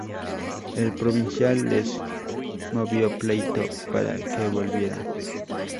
El provincial les movió pleito para que volvieran.